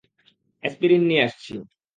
Aspirin নিয়ে আসছি!